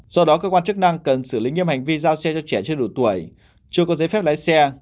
do đó cơ quan chức năng cần xử lý nghiêm hành vi giao xe cho trẻ chưa đủ tuổi chưa có giấy phép lái xe